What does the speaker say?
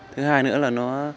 thứ hai nữa là nó